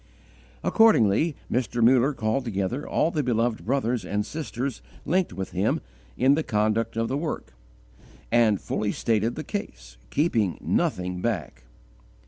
Accordingly Mr. Muller called together all the beloved brothers and sisters linked with him in the conduct of the work, and fully stated the case, keeping nothing back.